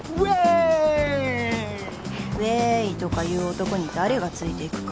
「ウェイ！」とか言う男に誰がついていくか